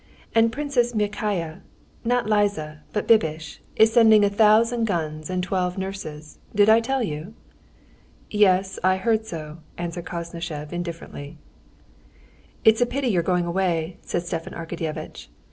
"And Princess Myakaya—not Liza, but Bibish—is sending a thousand guns and twelve nurses. Did I tell you?" "Yes, I heard so," answered Koznishev indifferently. "It's a pity you're going away," said Stepan Arkadyevitch.